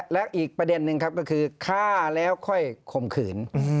และอีกประเด็นหนึ่งครับก็คือฆ่าแล้วค่อยข่มขืน